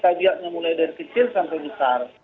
tagiatnya mulai dari kecil sampai besar